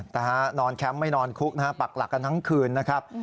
นะฮะนอนแคมป์ไม่นอนคุกนะฮะปักหลักกันทั้งคืนนะครับ